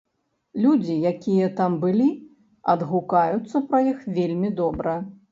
Людзі, якія там былі, адгукаюцца пра іх вельмі добра.